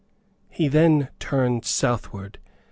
He then turned southward.